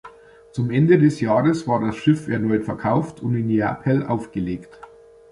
Zum Ende des Jahres war das Schiff erneut verkauft und in Neapel aufgelegt.